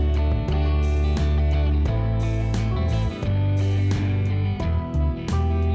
hẹn gặp lại